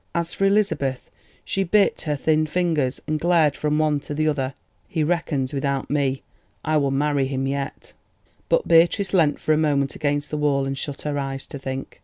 As for Elizabeth, she bit her thin fingers, and glared from one to the other. "He reckons without me," she thought. "He reckons without me—I will marry him yet." But Beatrice leant for a moment against the wall and shut her eyes to think.